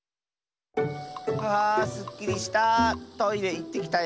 あすっきりした！